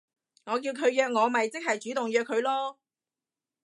我叫佢約我咪即係主動約佢囉